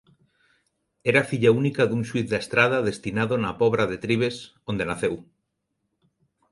Era filla única dun xuíz da Estrada destinado na Pobra de Trives onde naceu.